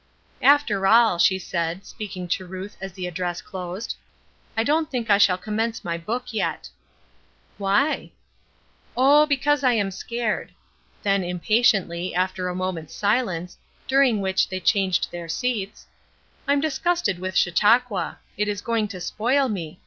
"After all," she said, speaking to Ruth as the address closed, "I don't think I shall commence my book yet." "Why?" "Oh, because I am sacred." Then, impatiently, after a moment's silence, during which they changed their seats, "I'm disgusted with Chautauqua! It is going to spoil me.